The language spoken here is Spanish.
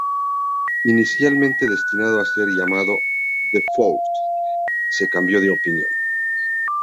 Inicialmente destinado a ser llamado "The Fourth", se cambió de opinión.